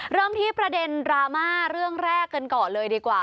เริ่มที่ประเด็นดราม่าเรื่องแรกกันก่อนเลยดีกว่า